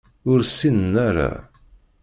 Ur ssinen ara.